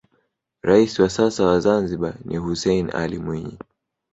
raisi wa sasa wa zanzibar ni hussein alli mwinyi